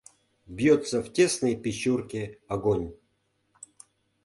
Бьётся в тесной печурке огонь